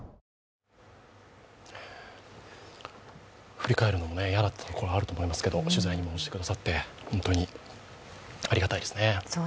振り返るのも嫌なところがあると思いますけど、取材にも応じてくださって、本当にありがたいですね。